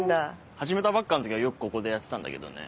始めたばっかの時はよくここでやってたんだけどね。